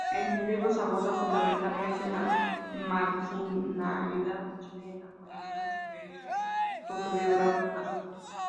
En sus libros aborda fundamentalmente la marginalidad chilena con algunas referencias autobiográficas.